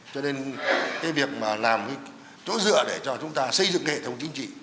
cho nên cái việc mà làm cái chỗ dựa để cho chúng ta xây dựng hệ thống chính trị